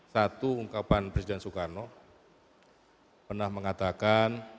satu ungkapan presiden soekarno pernah mengatakan